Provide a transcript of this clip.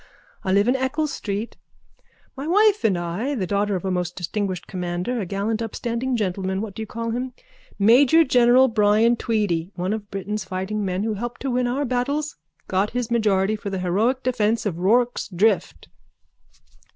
I live in Eccles street. My wife, I am the daughter of a most distinguished commander, a gallant upstanding gentleman, what do you call him, Majorgeneral Brian Tweedy, one of Britain's fighting men who helped to win our battles. Got his majority for the heroic defence of Rorke's Drift.